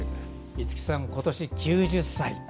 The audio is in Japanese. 五木さん、今年９０歳。